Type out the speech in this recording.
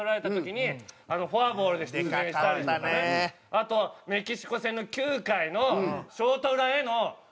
あとメキシコ戦の９回のショート裏へのこのボールを。